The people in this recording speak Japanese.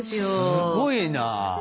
すごいな。